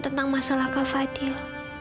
tentang masalah kak fadil